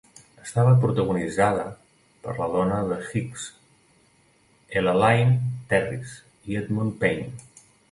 Estava protagonitzada per la dona de Hicks, Ellaline Terriss i Edmund Payne.